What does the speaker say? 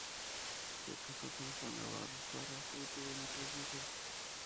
Se casó con "Juana Barros Varas" y tuvieron tres hijos.